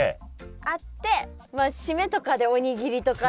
あって締めとかでおにぎりとかで。